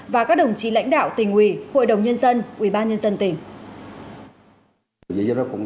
và các đồng chí lãnh đạo tỉnh ủy hội đồng nhân dân ubnd tỉnh